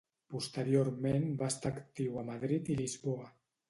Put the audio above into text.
Posteriorment va estar actiu a Madrid i Lisboa.